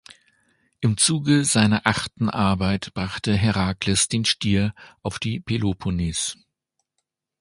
Im Zuge seiner achten Arbeit brachte Herakles den Stier auf die Peloponnes.